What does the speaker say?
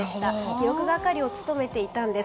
記録係を務めていたんです。